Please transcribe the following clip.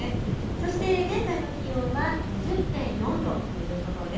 そして現在の気温は２０．４度ということです。